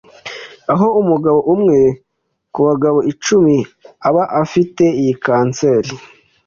aho umugabo umwe ku bagabo icumi aba afite iyi kanseri